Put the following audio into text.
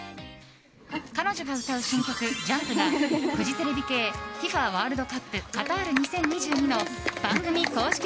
彼女が歌う新曲「ＪＵＭＰ」がフジテレビ系「ＦＩＦＡワールドカップカタール２０２２」の番組公式